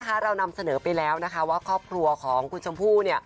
เรานำเสนอไปแล้วนะคะว่าครอบครัวของคุณชมพู่